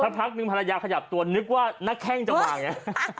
สักพักนึงภรรยาขยับตัวนึกว่านักแข้งจะมาอย่างนี้